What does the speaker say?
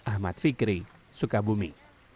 ahmad fikri sukabumi